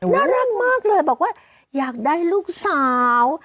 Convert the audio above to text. น่ารักมากเลยบอกว่าอยากได้ลูกสาว